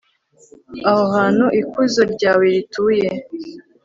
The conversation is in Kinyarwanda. aho hantu ikuzo ryawe rituye